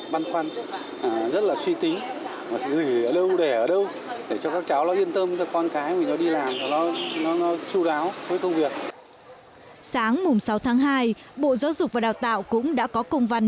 bộ giáo dục và đào tạo cũng đã có công văn